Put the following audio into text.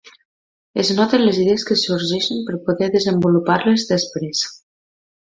Es noten les idees que sorgeixen per poder desenvolupar-les després.